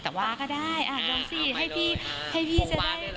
แต่ว่าก็ได้อ่าลองสิให้พี่ให้พี่จะได้โฟวาร์ดด้วยหรอค่ะ